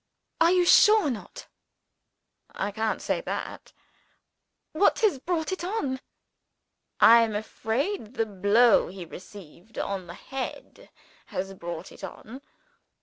"Are you sure not?" "I can't say that." "What has brought it on?" "I am afraid the blow he received on the head has brought it on."